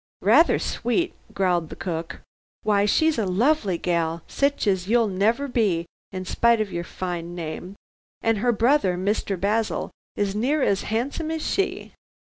"Rather sweet," growled the cook, "why, she's a lovely gal, sich as you'll never be, in spite of your fine name. An' her brother, Mr. Basil, is near as 'andsome as she."